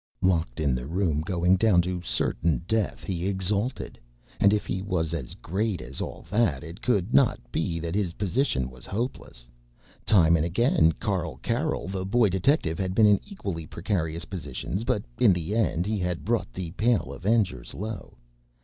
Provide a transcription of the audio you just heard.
Locked in the room, going down to certain death, he exulted. And if he was as great as all that, it could not be that his position was hopeless. Time and again Carl Carroll, the Boy Detective, had been in equally precarious positions, but in the end he had brought the Pale Avengers low.